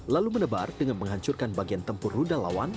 lalu menebar dengan menghancurkan bagian tempur rudal lawan